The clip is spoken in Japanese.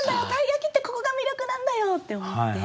鯛焼ってここが魅力なんだよ！って思って。